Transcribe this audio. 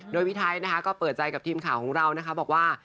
โดยพี่ไทยนะคะก็เปิดใจกับทีมข่าวของเรานะคะบอกว่า